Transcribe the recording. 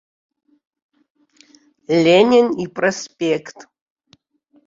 Ленин ипроспеқт.